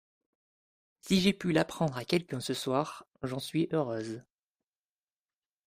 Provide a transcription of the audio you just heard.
Si j’ai pu l’apprendre à quelqu’un ce soir, j’en suis heureuse.